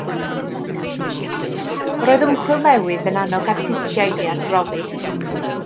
Roedd ymchwil newydd yn annog artistiaid i arbrofi